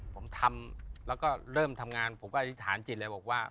ผมทำแล้วก็เริ่มทำงานผมก็อธิษฐานจิตเลยบอกว่า